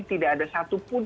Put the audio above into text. tidak ada satupun